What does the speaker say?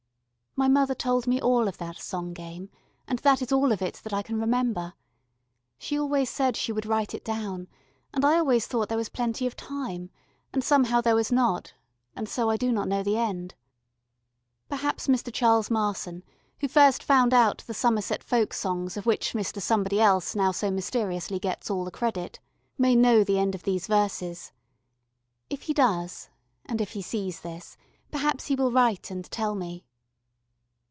My mother told me all of that song game, and that is all of it that I can remember. She always said she would write it down, and I always thought there was plenty of time, and somehow there was not, and so I do not know the end. Perhaps Mr. Charles Marson, who first found out the Somerset folk songs of which Mr. Somebody Else now so mysteriously gets all the credit, may know the end of these verses. If he does, and if he sees this, perhaps he will write and tell me.